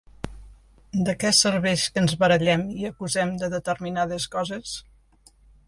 De què serveix que ens barallem i acusem de determinades coses?